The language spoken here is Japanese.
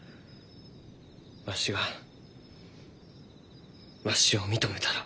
わしがわしを認めたら。